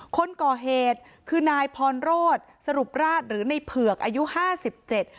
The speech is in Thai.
คนก่อเหตุคือนายพรโรธสรุปราชหรือในเผือกอายุห้าสิบเจ็ด